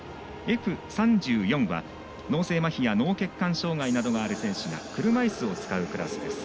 Ｆ３４は脳性まひや脳血管障がいなどがある選手が車いすを使うクラスです。